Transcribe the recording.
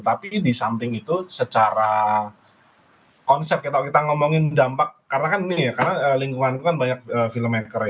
tapi di samping itu secara konsep kalau kita ngomongin dampak karena kan ini ya karena lingkungan itu kan banyak filmmaker ya